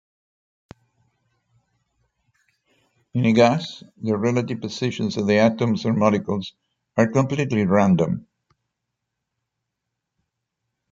In a gas, the relative positions of the atoms or molecules are completely random.